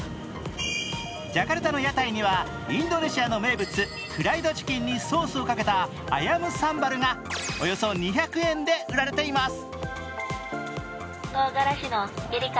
ジャカルタの屋台にはインドネシアの名物・フライドチキンにソースをかけたアヤムサンバルがおよそ２００円で売られています。